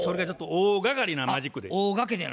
大がかりなマジックね。